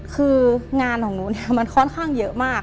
คืองานของหนูเนี่ยมันค่อนข้างเยอะมาก